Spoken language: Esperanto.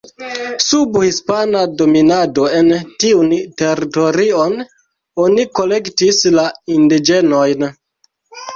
Sub hispana dominado en tiun teritorion oni kolektis la indiĝenojn.